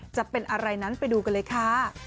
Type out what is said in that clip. จะเป็นอะไรนั้นไปดูกันเลยค่ะ